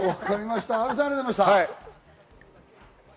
阿部さん、ありがとうございました。